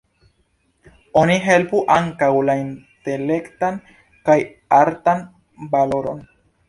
Oni helpu ankaŭ la intelektan kaj artan laboron.